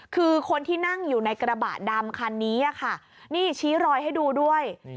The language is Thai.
คือคนที่นั่งอยู่ในกระบะดำคันนี้ค่ะนี่ชี้รอยให้ดูด้วย